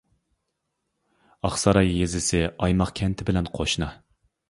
ئاقساراي يېزىسى، ئايماق كەنتى بىلەن قوشنا.